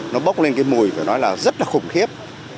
nó bốc lên cái mùi phải nói là rất là khủng khiếp